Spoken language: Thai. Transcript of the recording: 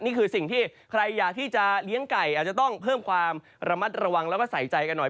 นี่คือสิ่งที่ใครอยากที่จะเลี้ยงไก่อาจจะต้องเพิ่มความระมัดระวังแล้วก็ใส่ใจกันหน่อย